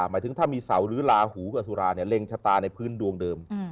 หมายถึงถ้ามีเสาหรือลาหูกับสุราเนี่ยเล็งชะตาในพื้นดวงเดิม